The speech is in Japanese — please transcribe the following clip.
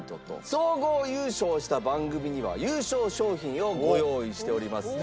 総合優勝した番組には優勝賞品をご用意しております。